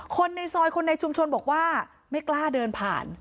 คนในซอยคนในชุมชนบอกว่าไม่กล้าเดินผ่าน